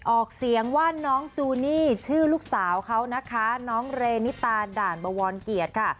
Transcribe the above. ออกเสียงว่าน้องจูนี่ชื่อลูกสาวเขานะคะน้องเรนิตาด่านบวรเกียรติค่ะ